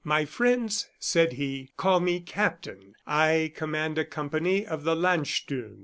"My friends," he said, "call me 'Captain.' I command a company of the Landsturm."